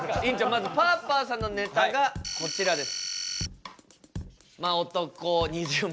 まずパーパーさんのネタがこちらです。